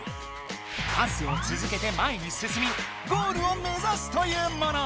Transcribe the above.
パスを続けて前にすすみゴールを目ざすというもの！